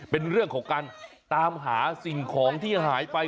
เป็นเรื่องของการตามหาสิ่งของที่หายไป